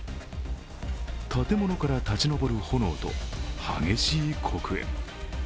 建物から立ち上る炎と、激しい黒煙。